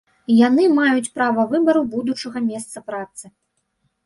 Яны маюць права выбару будучага месца працы.